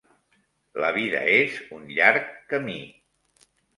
La vida és un llarg camí.